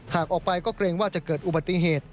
หากออกไปก็เกรงว่าจะเกิดอุบัติเหตุ